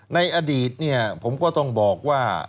ในอดีตผมก็ต้องบอกว่า